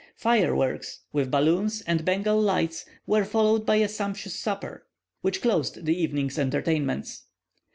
Fire works, with balloons and Bengal lights, were followed by a sumptuous supper, which closed the evening's entertainments.